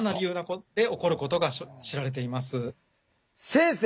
先生